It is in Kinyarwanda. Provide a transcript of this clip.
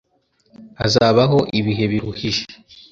Hazabaho ibihe biruhije